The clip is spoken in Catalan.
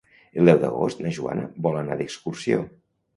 El deu d'agost na Joana vol anar d'excursió.